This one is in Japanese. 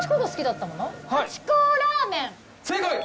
正解。